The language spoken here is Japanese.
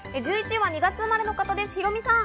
１１位は２月生まれの方、ヒロミさん。